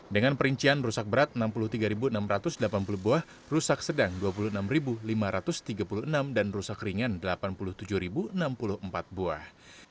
dengan perincian rusak berat enam puluh tiga enam ratus delapan puluh buah rusak sedang dua puluh enam lima ratus tiga puluh enam dan rusak ringan delapan puluh tujuh enam puluh empat buah